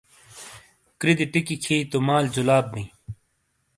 کِرِدی ٹِیکی کھئی تو مال جُلاب بیں۔